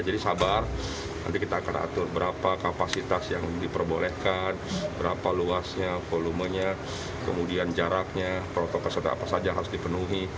jadi sabar nanti kita akan atur berapa kapasitas yang diperbolehkan berapa luasnya volumenya kemudian jaraknya protokol peserta apa saja harus dipenuhi